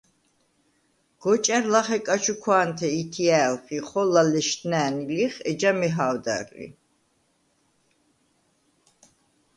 გოჭა̈რ ლახე კაჩუქვა̄ნთე ითჲა̄̈ლხ ი ხოლა ლეშდნა̄̈ნი ლიხ, ეჯა მეჰა̄ვდარ ლი.